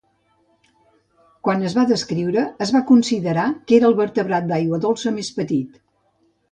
Quan es va descriure, es va considerar que era el vertebrat d'aigua dolça més petit.